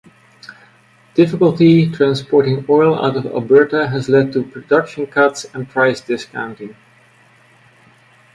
Difficulty transporting oil out of Alberta has led to production cuts and price discounting.